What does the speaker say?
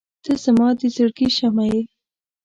• ته زما د زړګي شمعه یې.